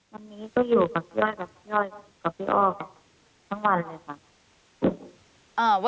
วันนี้ก็อยู่กับพี่อ้อยกับพี่อ้อค่ะทั้งวันเลยค่ะ